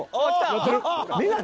「やってる！」